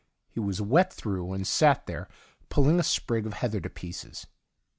He was wet through, and sat there pulling a sprig of heather to pieces.